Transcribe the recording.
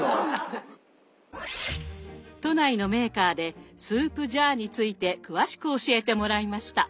都内のメーカーでスープジャーについて詳しく教えてもらいました。